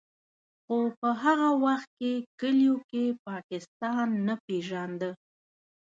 خو په هغه وخت کې کلیو کې پاکستان نه پېژانده.